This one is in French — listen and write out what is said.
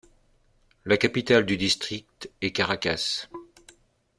La capitale du District est Caracas.